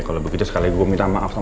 kalau begitu sekali gue minta maaf